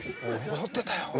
踊ってたよって。